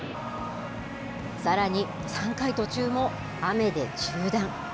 さらに３回途中も、雨で中断。